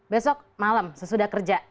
besok malam sesudah kerja